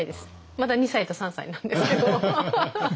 まだ２歳と３歳なんですけど。